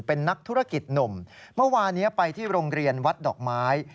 เป็นนักธุรกิจหนุ่มเมื่อวานี้ไปที่โรงเรียนวัดดอกไม้